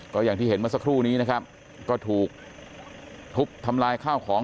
ก็อย่างที่เห็นเมื่อซักครู่ก็ถูกทุบทำลายข้าวของ